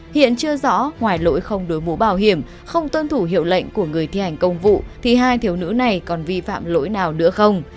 hiện chưa rõ ngoài lỗi không đối mũ bảo hiểm không tuân thủ hiệu lệnh của người thi hành công vụ thì hai thiếu nữ này còn vi phạm lỗi nào nữa không